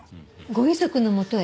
ご遺族のもとへ？